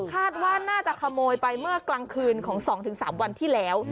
คาดว่าน่าจะขโมยไปเมื่อกลางคืนของ๒๓วันที่แล้ว